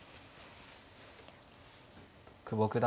久保九段